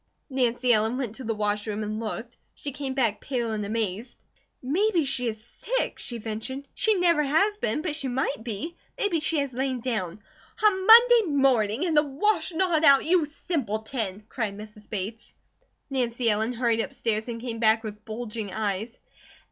Nancy Ellen went to the wash room and looked. She came back pale and amazed. "Maybe she is sick," she ventured. "She never has been; but she might be! Maybe she has lain down." "On Monday morning! And the wash not out! You simpleton!" cried Mrs. Bates. Nancy Ellen hurried upstairs and came back with bulging eyes.